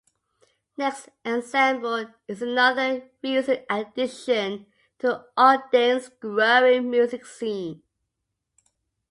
NextEnsemble is another recent addition to Ogden's growing music scene.